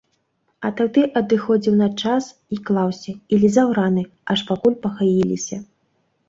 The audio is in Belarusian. А тагды адыходзіў на час, і клаўся, і лізаў раны, аж пакуль пагаіліся.